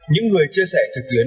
những người chia sẻ trực tuyến